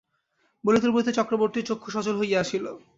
বলিতে বলিতে চক্রবর্তীর চক্ষু সজল হইয়া আসিল।